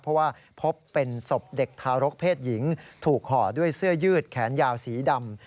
เพราะว่าพบเป็นศพเด็กทารกเพศหญิงถูกห่อด้วยเสื้อยืดแขนยาวสีดำ